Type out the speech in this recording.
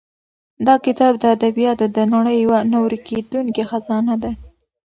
دا کتاب د ادبیاتو د نړۍ یوه نه ورکېدونکې خزانه ده.